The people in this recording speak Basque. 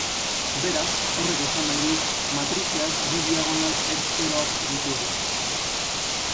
Beraz, horrek esan nahi du matrizeak bi diagonal ez-zeroak dituela.